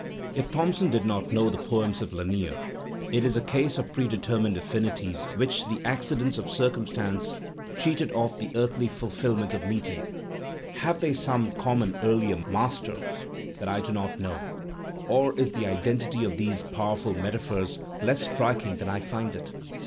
If Thompson did not know the poems of Lanier, it is a case of predetermined affinities which the accidents of circumstance cheated of the earthly fulfilment of meeting. Have they some conunon earlier Digitized by Google 316 THE SPIRIT OF AMERICAN LITERATURE master that I do not know? Or is the identity of these powerful metaphors less striking than I find it?